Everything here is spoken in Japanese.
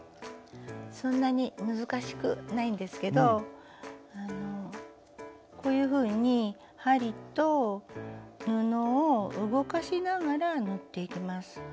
そんなに難しくないんですけどこういうふうに針と布を動かしながら縫っていきます。